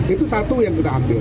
itu satu yang kita ambil